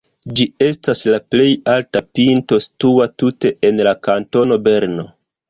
Ĝi estas la plej alta pinto situa tute en la kantono Berno.